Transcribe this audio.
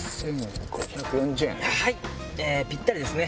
はいぴったりですね。